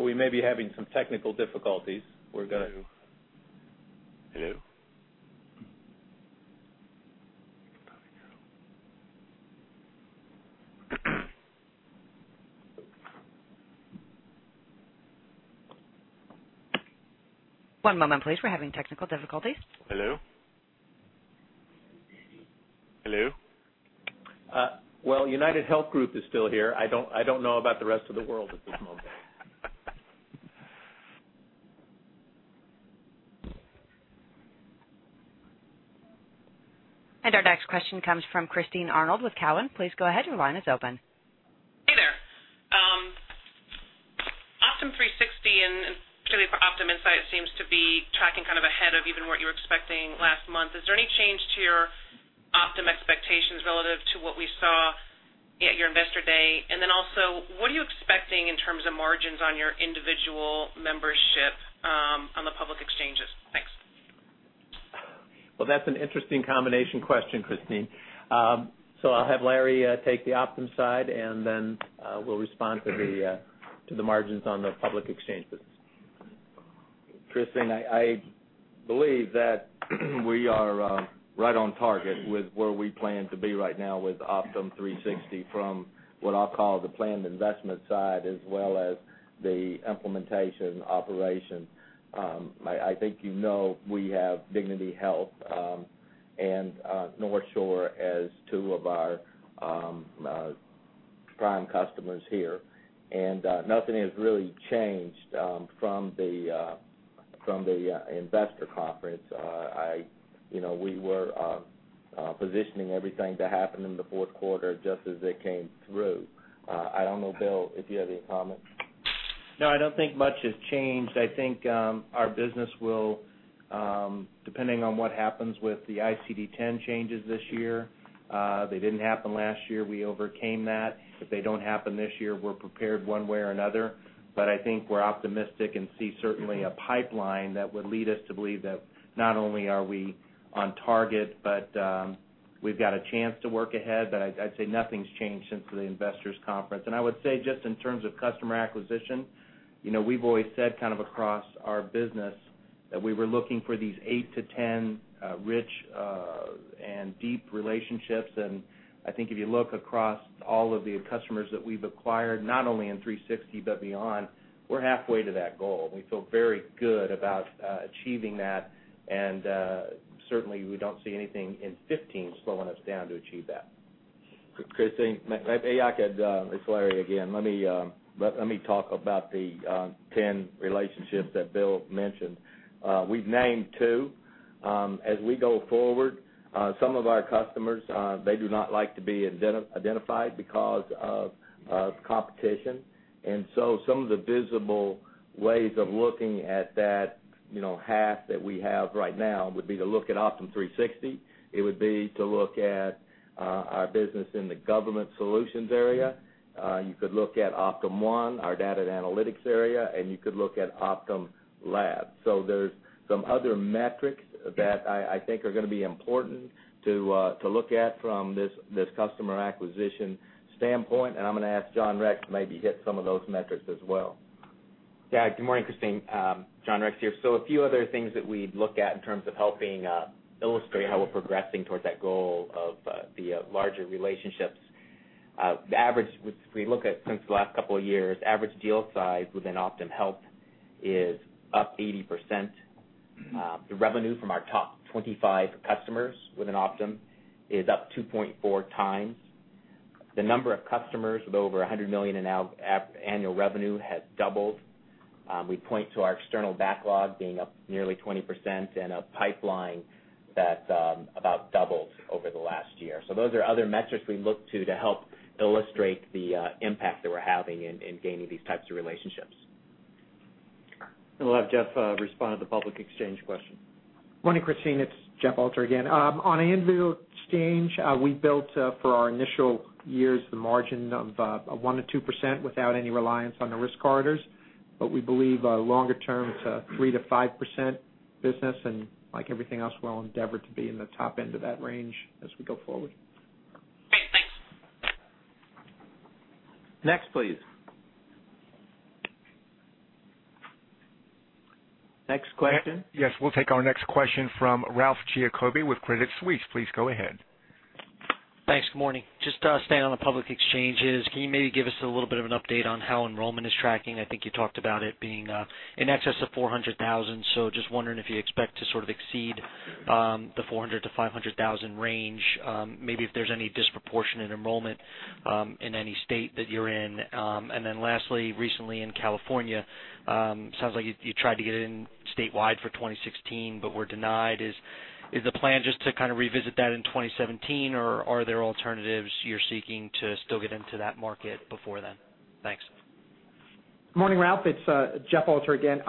We may be having some technical difficulties. Hello? Hello? One moment please, we're having technical difficulties. Hello? Hello? UnitedHealth Group is still here. I don't know about the rest of the world at this moment. Our next question comes from Christine Arnold with Cowen. Please go ahead, your line is open. Hey there. Optum360 and particularly for Optum Insight seems to be tracking ahead of even what you were expecting last month. Is there any change to your Optum expectations relative to what we saw at your Investor Day? Also, what are you expecting in terms of margins on your individual membership on the public exchanges? Thanks. Well, that's an interesting combination question, Christine. I'll have Larry take the Optum side, and then we'll respond to the margins on the public exchanges. Christine, I believe that we are right on target with where we plan to be right now with Optum360 from what I'll call the planned investment side as well as the implementation operation. I think you know we have Dignity Health and NorthShore as two of our prime customers here. Nothing has really changed from the Investor Day. We were positioning everything to happen in the fourth quarter just as it came through. I don't know, Bill, if you have any comments. No, I don't think much has changed. I think our business will, depending on what happens with the ICD-10 changes this year. They didn't happen last year, we overcame that. If they don't happen this year, we're prepared one way or another. I think we're optimistic and see certainly a pipeline that would lead us to believe that not only are we on target, but we've got a chance to work ahead. I'd say nothing's changed since the investors conference. I would say, just in terms of customer acquisition, we've always said across our business that we were looking for these eight to 10 rich and deep relationships. I think if you look across all of the customers that we've acquired, not only in 360 but beyond, we're halfway to that goal. We feel very good about achieving that. Certainly, we don't see anything in 2015 slowing us down to achieve that. Christine, it's Larry again. Let me talk about the 10 relationships that Bill mentioned. We've named two. As we go forward, some of our customers, they do not like to be identified because of competition. Some of the visible ways of looking at that half that we have right now would be to look at Optum360. It would be to look at our business in the government solutions area. You could look at OptumOne, our data and analytics area, and you could look at OptumLabs. There's some other metrics that I think are going to be important to look at from this customer acquisition standpoint, and I'm going to ask John Rex to maybe hit some of those metrics as well. Good morning, Christine. John Rex here. A few other things that we'd look at in terms of helping illustrate how we're progressing towards that goal of the larger relationships. If we look at since the last couple of years, average deal size within Optum Health is up 80%. The revenue from our top 25 customers within Optum is up 2.4 times. The number of customers with over $100 million in annual revenue has doubled. We point to our external backlog being up nearly 20% and a pipeline that about doubled over the last year. Those are other metrics we look to to help illustrate the impact that we're having in gaining these types of relationships. We'll have Jeff respond to the public exchange question. Morning, Christine. It's Jeff Alter again. On the exchange, we built for our initial years the margin of 1%-2% without any reliance on the risk corridors. We believe longer term, it's a 3%-5% business, and like everything else, we'll endeavor to be in the top end of that range as we go forward. Okay, thanks. Next, please. Next question. Yes. We'll take our next question from Ralph Giacobbe with Credit Suisse. Please go ahead. Thanks. Good morning. Just staying on the public exchanges, can you maybe give us a little bit of an update on how enrollment is tracking? I think you talked about it being in excess of 400,000, just wondering if you expect to sort of exceed the 400,000-500,000 range. Lastly, maybe if there's any disproportionate enrollment in any state that you're in. Recently in California, sounds like you tried to get in statewide for 2016 but were denied. Is the plan just to kind of revisit that in 2017, or are there alternatives you're seeking to still get into that market before then? Thanks. Morning, Ralph. It's Jeff Alter again.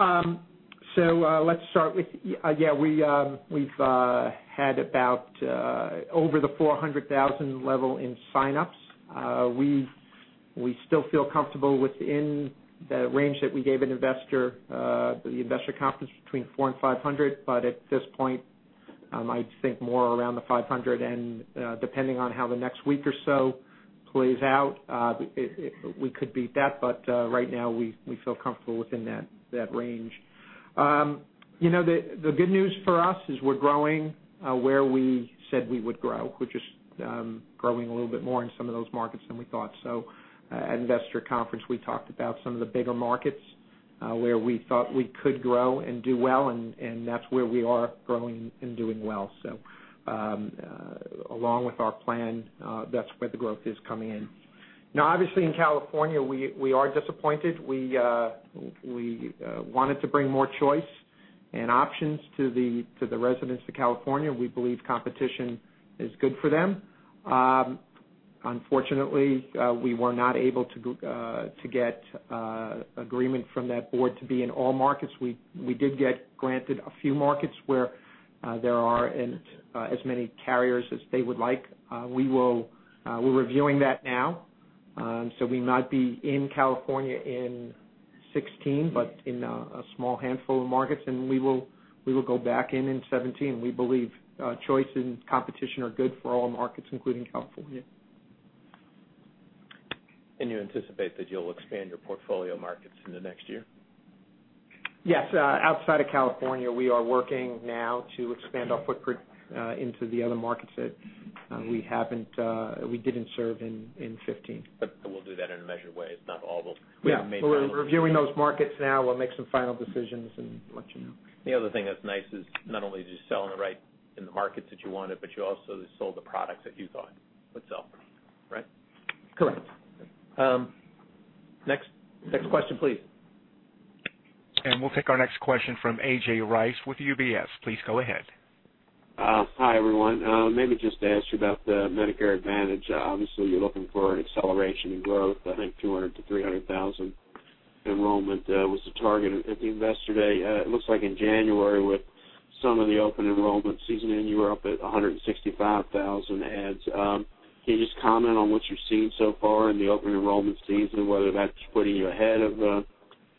Let's start with, yeah, we've had about over the 400,000 level in sign-ups. We still feel comfortable within the range that we gave at the investor conference between 400,000 and 500,000. At this point, I'd think more around the 500,000, and depending on how the next week or so plays out, we could beat that, right now we feel comfortable within that range. The good news for us is we're growing where we said we would grow. We're just growing a little bit more in some of those markets than we thought. At investor conference, we talked about some of the bigger markets where we thought we could grow and do well, and that's where we are growing and doing well. Along with our plan, that's where the growth is coming in. Now, obviously in California, we are disappointed. We wanted to bring more choice and options to the residents of California. We believe competition is good for them. Unfortunately, we were not able to get agreement from that board to be in all markets. We did get granted a few markets where there aren't as many carriers as they would like. We're reviewing that now. We might be in California in 2016, but in a small handful of markets, and we will go back in in 2017. We believe choice and competition are good for all markets, including California. You anticipate that you'll expand your portfolio markets in the next year? Yes. Outside of California, we are working now to expand our footprint into the other markets that we didn't serve in 2015. We'll do that in a measured way. It's not all those main markets. Yeah. We're reviewing those markets now. We'll make some final decisions and let you know. The other thing that's nice is not only did you sell in the markets that you wanted, but you also sold the products that you thought would sell. Right? Correct. Next question, please. We'll take our next question from A.J. Rice with UBS. Please go ahead. Hi, everyone. Maybe just to ask you about the Medicare Advantage. Obviously, you're looking for an acceleration in growth. I think 200,000-300,000 enrollment was the target at the Investor Day. It looks like in January with some of the open enrollment season, you were up at 165,000 adds. Can you just comment on what you're seeing so far in the open enrollment season, whether that's putting you ahead of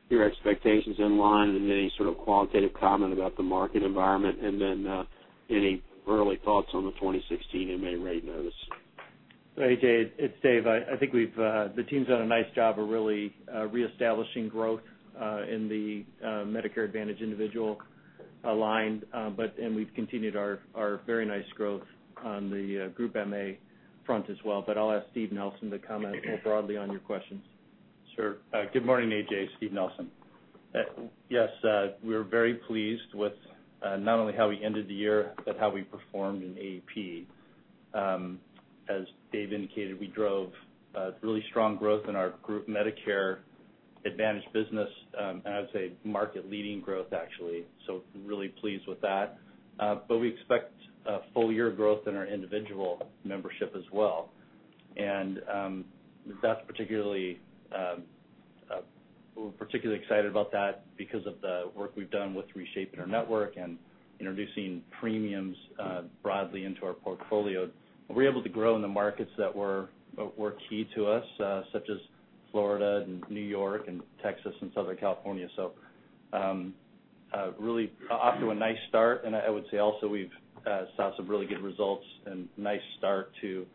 your expectations in line, and any sort of qualitative comment about the market environment? Then any early thoughts on the 2016 MA rate notice? Hey, A.J. It's Dave. I think the team's done a nice job of really reestablishing growth in the Medicare Advantage individual line. We've continued our very nice growth on the Group MA front as well. I'll ask Steve Nelson to comment more broadly on your questions. Sure. Good morning, A.J. Steve Nelson. Yes, we're very pleased with not only how we ended the year, but how we performed in AEP. As Dave indicated, we drove really strong growth in our Group Medicare Advantage business, I would say market leading growth, actually. Really pleased with that. We expect full year growth in our individual membership as well. We're particularly excited about that because of the work we've done with reshaping our network and introducing premiums broadly into our portfolio. We're able to grow in the markets that were key to us, such as Florida and New York and Texas and Southern California. Really off to a nice start, I would say also we've saw some really good results and nice start to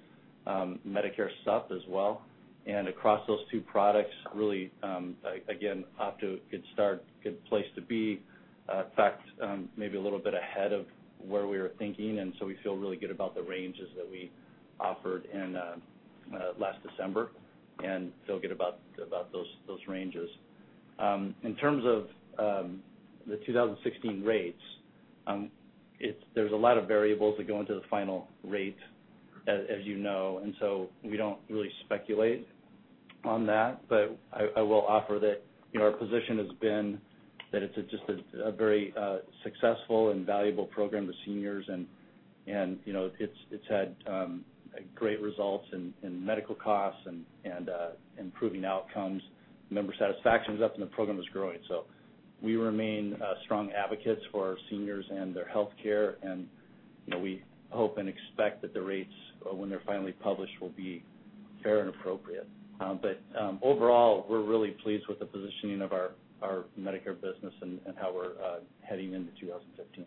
Medicare Sup as well. Across those two products, really, again, off to a good start, good place to be. In fact, maybe a little bit ahead of where we were thinking, we feel really good about the ranges that we offered in last December, feel good about those ranges. In terms of the 2016 rates, there's a lot of variables that go into the final rate, as you know, we don't really speculate on that. I will offer that our position has been that it's just a very successful and valuable program to seniors, it's had great results in medical costs and improving outcomes. Member satisfaction is up, the program is growing. We remain strong advocates for our seniors and their healthcare, we hope and expect that the rates, when they're finally published, will be fair and appropriate. Overall, we're really pleased with the positioning of our Medicare business and how we're heading into 2015.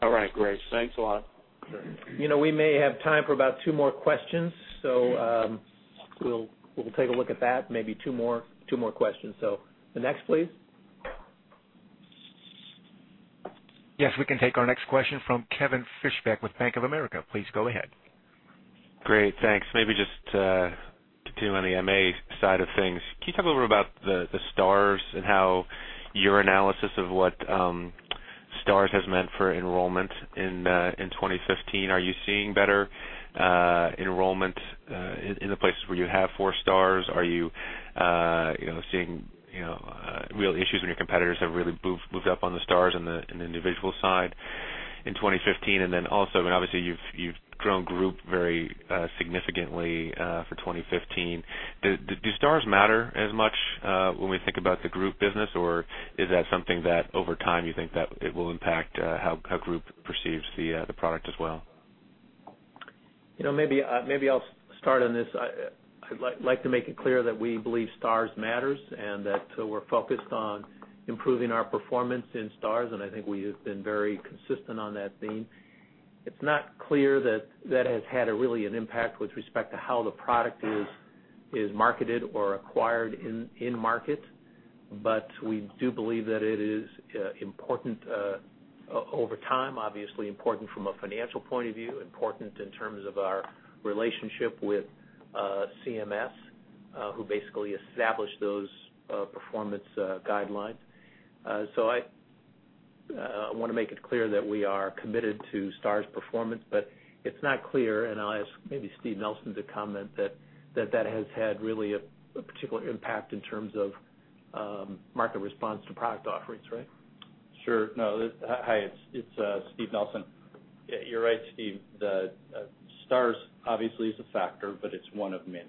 All right, great. Thanks a lot. Sure. We may have time for about two more questions, we'll take a look at that. Maybe two more questions. The next, please? Yes, we can take our next question from Kevin Fischbeck with Bank of America. Please go ahead. Great, thanks. Maybe just to continue on the MA side of things, can you talk a little bit about the Stars and how your analysis of what Stars has meant for enrollment in 2015? Are you seeing better enrollment in the places where you have four Stars? Are you seeing real issues when your competitors have really moved up on the Stars on the individual side in 2015? Then also, obviously, you've grown Group very significantly for 2015. Do Stars matter as much when we think about the Group business, or is that something that over time you think that it will impact how Group perceives the product as well? Maybe I'll start on this. I'd like to make it clear that we believe Stars matters and that we're focused on improving our performance in Stars, and I think we have been very consistent on that theme. It's not clear that has had really an impact with respect to how the product is marketed or acquired in market. We do believe that it is important over time, obviously important from a financial point of view, important in terms of our relationship with CMS, who basically established those performance guidelines. I want to make it clear that we are committed to Stars performance, but it's not clear, and I'll ask maybe Steve Nelson to comment that that has had really a particular impact in terms of market response to product offerings, right? Sure. No. Hi, it's Steve Nelson. You're right, Steve. The Stars obviously is a factor, but it's one of many.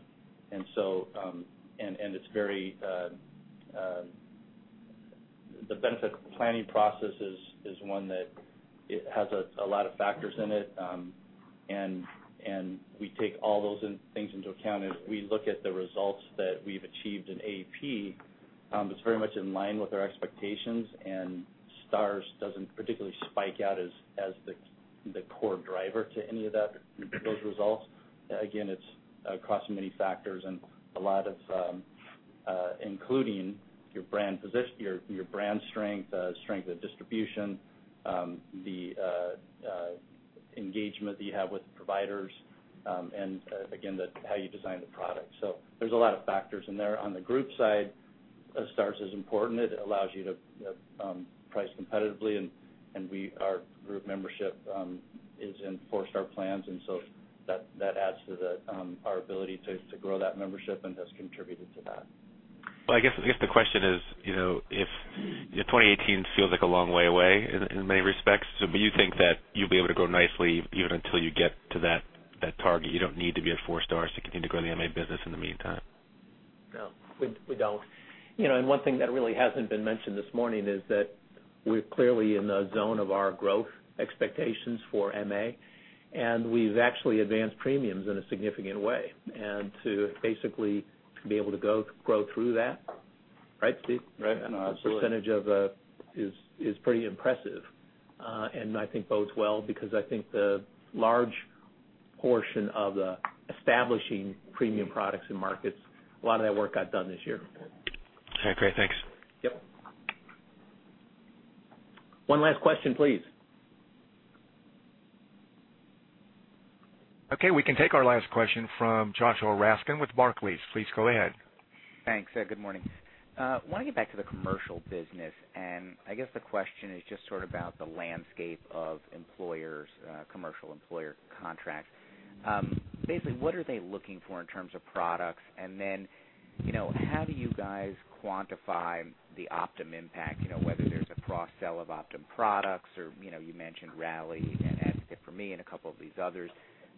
The benefit planning process is one that has a lot of factors in it, and we take all those things into account as we look at the results that we've achieved in AEP. It's very much in line with our expectations, and Stars doesn't particularly spike out as the core driver to any of those results. Again, it's across many factors and a lot of including your brand strength of distribution, the engagement that you have with providers, and again, how you design the product. There's a lot of factors in there. On the group side Stars is important. It allows you to price competitively, and our group membership is in four-star plans, that adds to our ability to grow that membership and has contributed to that. I guess the question is, if 2018 feels like a long way away in many respects, do you think that you'll be able to grow nicely even until you get to that target? You don't need to be at four stars to continue to grow the MA business in the meantime? No, we don't. One thing that really hasn't been mentioned this morning is that we're clearly in the zone of our growth expectations for MA, and we've actually advanced premiums in a significant way and to basically be able to grow through that. Right, Steve? Right. Absolutely. Percentage is pretty impressive. I think bodes well because I think the large portion of the establishing premium products in markets, a lot of that work got done this year. Okay, great. Thanks. Yep. One last question, please. Okay, we can take our last question from Joshua Raskin with Barclays. Please go ahead. Thanks. Good morning. I want to get back to the commercial business, I guess the question is just sort of about the landscape of commercial employer contracts. Basically, what are they looking for in terms of products? Then, how do you guys quantify the Optum impact, whether there's a cross-sell of Optum products or you mentioned Rally and Advocate4Me and a couple of these others.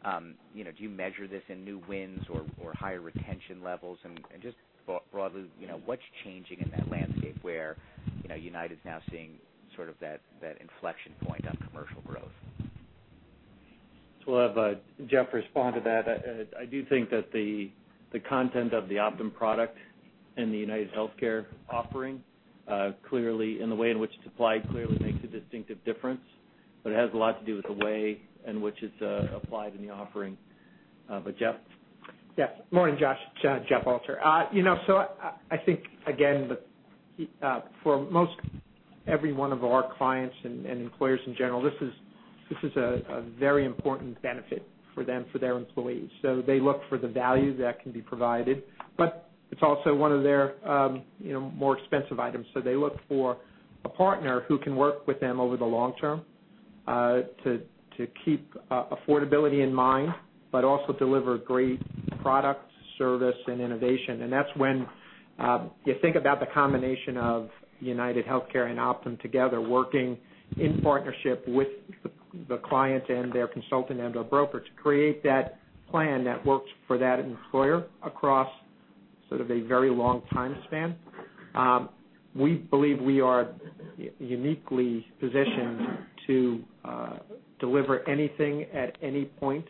Do you measure this in new wins or higher retention levels? And just broadly, what's changing in that landscape where United's now seeing sort of that inflection point on commercial growth? We'll have Jeff respond to that. I do think that the content of the Optum product in the UnitedHealthcare offering, clearly in the way in which it's applied, clearly makes a distinctive difference, it has a lot to do with the way in which it's applied in the offering. Jeff? Yes. Morning, Joshua. Jeff Alter. I think, again, for most every one of our clients and employers in general, this is a very important benefit for them, for their employees. They look for the value that can be provided, but it's also one of their more expensive items. They look for a partner who can work with them over the long term, to keep affordability in mind, but also deliver great product, service, and innovation. That's when you think about the combination of UnitedHealthcare and Optum together, working in partnership with the client and their consultant and/or broker to create that plan that works for that employer across sort of a very long time span. We believe we are uniquely positioned to deliver anything at any point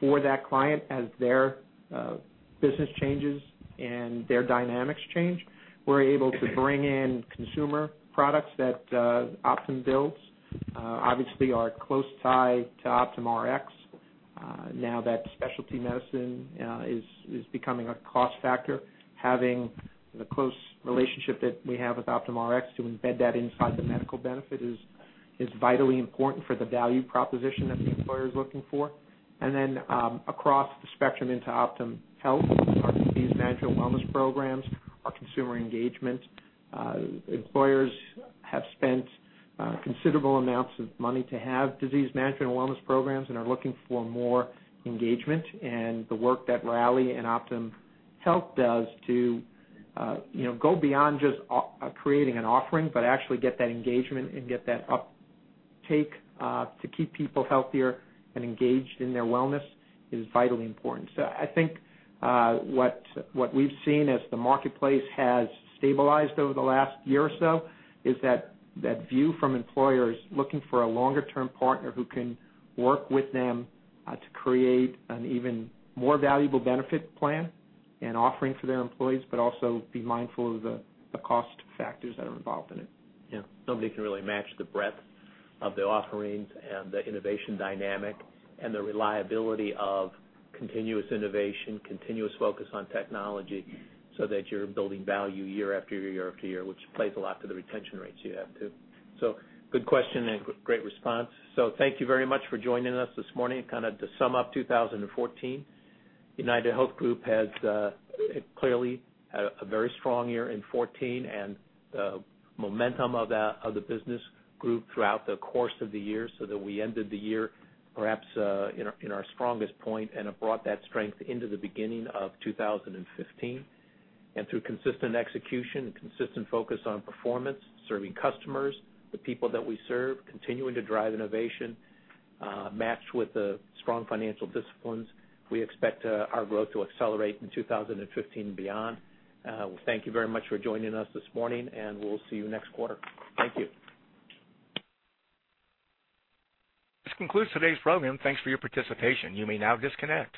for that client as their business changes and their dynamics change. We're able to bring in consumer products that Optum builds. Obviously, our close tie to OptumRx. Now that specialty medicine is becoming a cost factor, having the close relationship that we have with OptumRx to embed that inside the medical benefit is vitally important for the value proposition that the employer is looking for. Then, across the spectrum into Optum Health, our disease management and wellness programs, our consumer engagement, employers have spent considerable amounts of money to have disease management and wellness programs and are looking for more engagement and the work that Rally and Optum Health does to go beyond just creating an offering, but actually get that engagement and get that uptake, to keep people healthier and engaged in their wellness is vitally important. I think, what we've seen as the marketplace has stabilized over the last year or so is that view from employers looking for a longer-term partner who can work with them to create an even more valuable benefit plan and offering for their employees, but also be mindful of the cost factors that are involved in it. Yeah. Nobody can really match the breadth of the offerings and the innovation dynamic and the reliability of continuous innovation, continuous focus on technology, so that you're building value year after year, which plays a lot to the retention rates you have too. Good question and great response. Thank you very much for joining us this morning. Kind of to sum up 2014, UnitedHealth Group has clearly had a very strong year in 2014 and the momentum of the business grew throughout the course of the year, so that we ended the year perhaps in our strongest point and have brought that strength into the beginning of 2015. Through consistent execution and consistent focus on performance, serving customers, the people that we serve, continuing to drive innovation, matched with the strong financial disciplines, we expect our growth to accelerate in 2015 and beyond. Thank you very much for joining us this morning, and we'll see you next quarter. Thank you. This concludes today's program. Thanks for your participation. You may now disconnect.